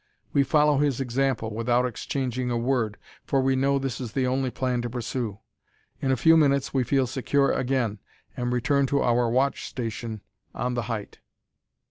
We follow his example, without exchanging a word, for we know this is the only plan to pursue. In a few minutes we feel secure again, and return to our watch station on the height.